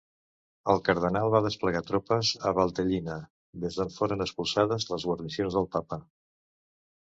El cardenal va desplegar tropes a Valtellina, des d'on foren expulsades les guarnicions del Papa.